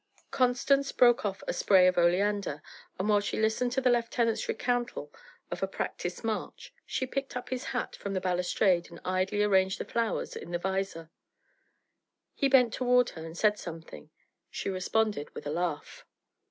Constance broke off a spray of oleander, and while she listened to the lieutenant's recountal of a practice march, she picked up his hat from the balustrade and idly arranged the flowers in the vizor. He bent toward her and said something; she responded with a laugh.